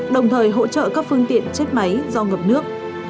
đồng thời hỗ trợ các phương tiện chết máy do ngập nước